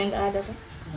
enggak ada pak